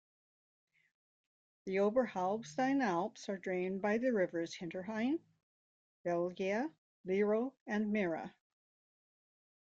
The Oberhalbstein Alps are drained by the rivers Hinterrhein, Gelgia, Liro and Mera.